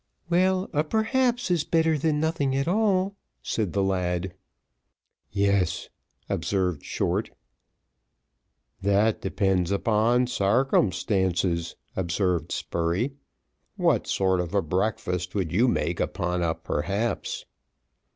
"Well, a perhaps is better than nothing at all," said the lad. "Yes," observed Short. "That depends upon sarcumstances," observed Spurey. "What sort of a breakfast would you make upon a perhaps?"